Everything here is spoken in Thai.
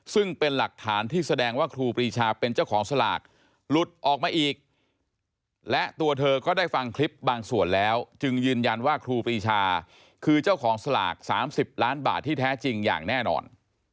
ซึ่งเป็นหลักฐานที่แสดงว่าครูปรีชาเป็นเจ้าของสลากหลุดออกมาอีกและตัวเธอก็ได้ฟังคลิปบางส่วนแล้วจึงยืนยันว่าครูปรีชาคือเจ้าของสลาก๓๐ล้านบาทที่แท้จริงอย่างแน่นอน